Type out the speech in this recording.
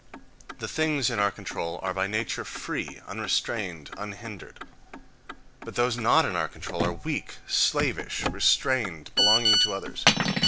The things in our control are by nature free, unrestrained, unhindered; but those not in our control are weak, slavish, restrained, belonging to others.